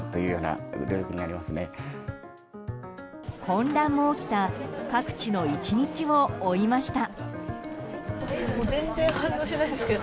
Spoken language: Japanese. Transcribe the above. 混乱も起きた各地の１日を追いました。